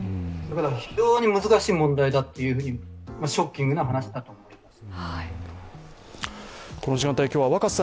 非常に難しい問題だというふうに、ショッキングな話だと思います。